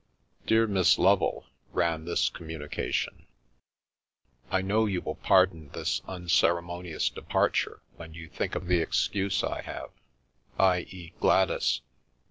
"Dear Miss Lovel," — (ran this communication) "I know you will pardon this unceremonious departure when you think of the excuse I have — i.e., Gladys.